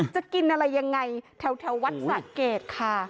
จะกินอะไรยังไงแถววัดสะเกดค่ะ